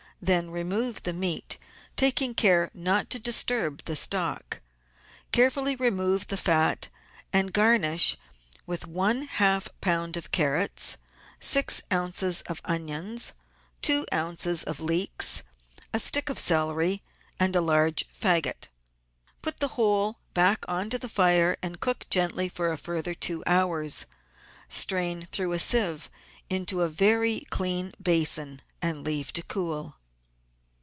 Then remove the meat, talcing care not to disturb the stock. Carefully remove the fat, and garnish with one half lb. of carrots, six oz. of onions, two oz. of leeks, a stick of celery, and a large faggot. Put the whole back on to the fire and cook gently for a further two hours. Strain through a sieve into a very clean basin and leave to cool.